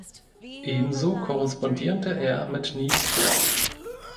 Ebenso korrespondierte er mit Niels Bohr.